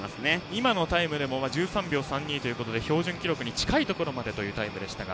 今のタイムでも１３秒３２ということで標準記録に近いタイムでしたが。